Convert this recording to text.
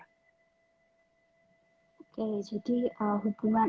oke jadi hubungan